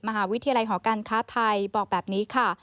มหาวิทยาลัยหอการค้าไทยบอกแบบนี้ค่ะ